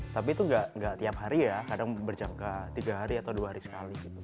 tapi itu nggak tiap hari ya kadang berjangka tiga hari atau dua hari sekali gitu